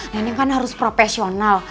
neneng kan harus profesional